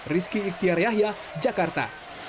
rizky iktiar yahya jakarta